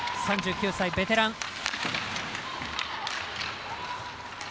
３９歳、ベテラン。